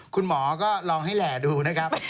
คุณหมอก็ลองให้แหล่ดูนะครับ